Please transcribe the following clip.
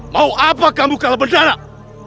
mau apa kamu kalah berdarah